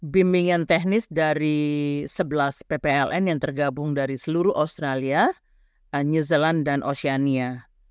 bimbingan teknis dari sebelas ppln yang tergabung dari seluruh australia new zealand dan oceania